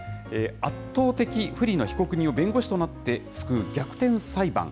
圧倒的不利な被告人を、弁護士となって救う逆転裁判。